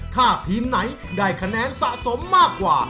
ถ้าทีมไหนได้คะแนนสะสมมากกว่า